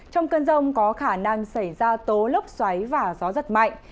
trong cơn rông có khả năng xảy ra tố lốc xoáy và gió giật mạnh